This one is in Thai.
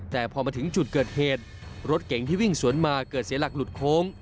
แต่พอมาถึงจุดเกิดเหตุรถเก๋งที่วิ่งสวนมาเกิดเสียหลักหลุดโค้ง